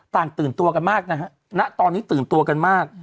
ตื่นตัวกันมากนะฮะณตอนนี้ตื่นตัวกันมาก